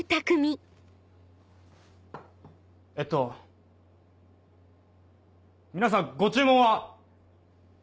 えっと皆さんご注文は。